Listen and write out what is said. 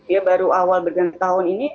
ya baru awal bergantung tahun ini